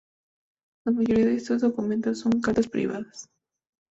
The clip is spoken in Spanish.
La mayoría de estos documentos son cartas privadas.